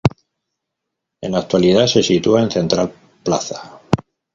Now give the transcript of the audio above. En la actualidad se sitúa en Central Plaza.